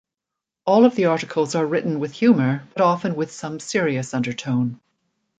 All of the articles are written with humour but often with some serious undertone.